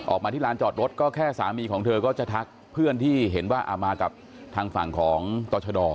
มาที่ลานจอดรถก็แค่สามีของเธอก็จะทักเพื่อนที่เห็นว่ามากับทางฝั่งของตรชด